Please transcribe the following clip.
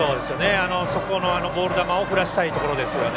そこのボール球を振らせたいところですよね